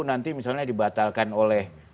nanti misalnya dibatalkan oleh